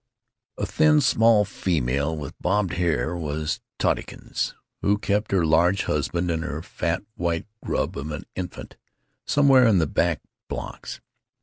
A thin, small female with bobbed hair was Tottykins, who kept her large husband and her fat, white grub of an infant somewhere in the back blocks.